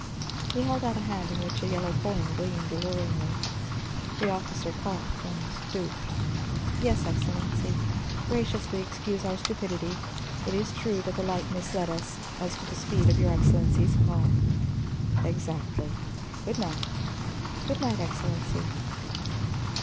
He held out a hand in which a yellow coin gleamed alluringly. The officer coughed, and stooped. "Yes, Excellency. Graciously excuse our stupidity; it is true that the light misled us as to the speed of your Excellency's car." "Exactly. Good night." "Good night, Excellency."